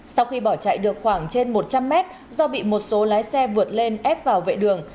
sau khi bỏ chạy được khoảng trên một trăm linh mét do bị một số lái xe vượt lên ép vào vệ đường